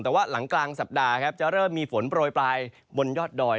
แต่ว่าหลังกลางสัปดาห์ครับจะเริ่มมีฝนโปรยปลายบนยอดดอย